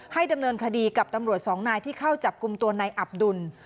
ดำเนินคดีกับตำรวจสองนายที่เข้าจับกลุ่มตัวนายอับดุล